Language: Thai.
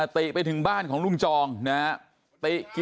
ติไปถึงบ้านของลุงจองนะครับ